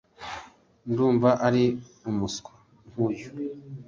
ndumva ari umuswa nkuyu